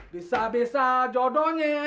bisa bisa jodohnya jauh